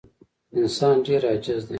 انسان ډېر عاجز دی.